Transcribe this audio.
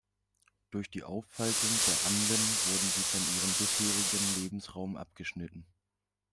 Durch die Auffaltung der Anden wurden sie von ihrem bisherigen Lebensraum abgeschnitten.